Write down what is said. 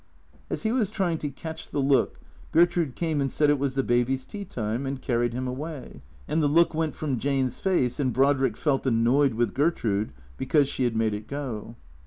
As he was trying to catch the look, Gertrude came and said it was the Baby's tea time, and carried him away. And the look went from Jane's face, and Brodrick felt annoyed with Gertrude because she had made it go.